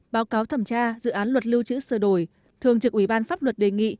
báo cáo thẩm tra dự án luật lưu trữ sửa đổi thường trực ủy ban pháp luật đề nghị